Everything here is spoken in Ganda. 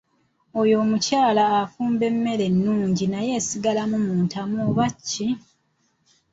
Oyo omukyala afumba emmere ennungi naye esigalamu mu ntamu oba kiki?